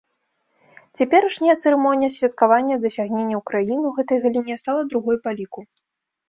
Цяперашняя цырымонія святкавання дасягненняў краін у гэтай галіне стала другой па ліку.